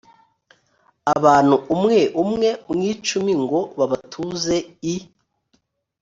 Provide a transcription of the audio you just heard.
abantu umwe umwe mu icumi ngo babatuze i